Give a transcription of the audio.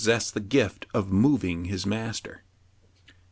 sessed the gift of moving his master.